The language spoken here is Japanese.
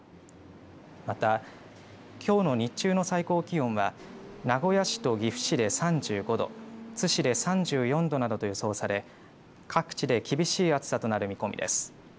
また、きょうの日中の最高気温は名古屋市と岐阜市で３５度津市で３４度などと予想されていて各地で厳しい暑さとなる見込みです。